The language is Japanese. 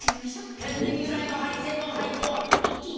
天然由来のハリ成分配合一気に！